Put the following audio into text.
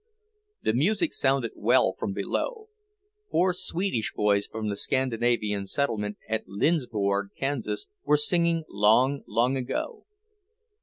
The music sounded well from below. Four Swedish boys from the Scandinavian settlement at Lindsborg, Kansas, were singing "Long, Long Ago."